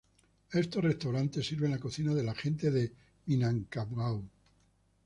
Estos restaurantes sirven la cocina de la gente de Minangkabau.